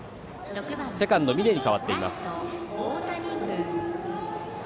セカンドが峯に代わっています。